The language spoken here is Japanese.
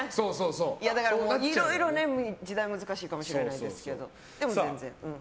だからいろいろ、時代が難しいかもしれないですけど全然。